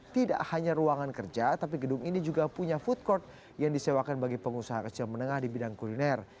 tidak hanya ruangan kerja tapi gedung ini juga punya food court yang disewakan bagi pengusaha kecil menengah di bidang kuliner